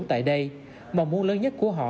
tại đây mong muốn lớn nhất của họ